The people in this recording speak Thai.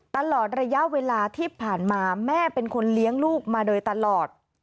ตลอดระยะเวลาที่ผ่านมาแม่เป็นคนเลี้ยงลูกมาโดยตลอด